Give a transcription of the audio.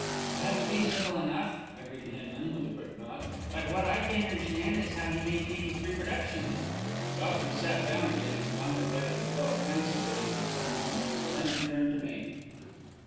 "That's reasonable enough," agreed Hinman, with a quick nod, "but what I can't understand is how he made these reproductions." Godfrey sat down again and contemplated the glove pensively for some moments. Then he turned to me.